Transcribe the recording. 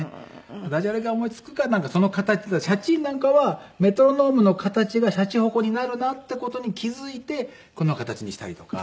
ダジャレが思い付くかなんかその形『シャチーン』なんかはメトロノームの形がしゃちほこになるなって事に気付いてこの形にしたりとか。